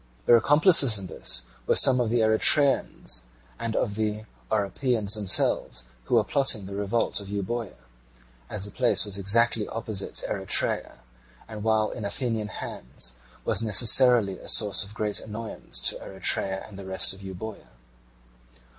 Their accomplices in this were some of the Eretrians and of the Oropians themselves, who were plotting the revolt of Euboea, as the place was exactly opposite Eretria, and while in Athenian hands was necessarily a source of great annoyance to Eretria and the rest of Euboea.